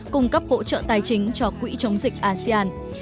cung cấp hỗ trợ tài chính cho quỹ chống dịch asean